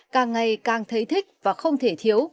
càng ngày càng thấy thích và không thể thiếu